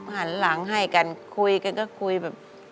หันหลังให้กันคุยกันก็คุยแบบ